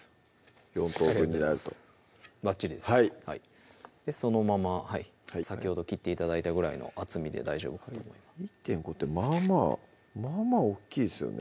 ４等分になるとバッチリですでそのまま先ほど切って頂いたぐらいの厚みで大丈夫かと思います１．５ってまあまあまあまあ大っきいですよね